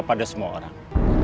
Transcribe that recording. pada semua orang